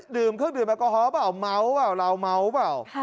ดื่มเครื่องดื่มแอลกอฮอล์เปล่าเมาเปล่าเราเมาเปล่า